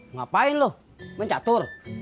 ngapain loh mencatur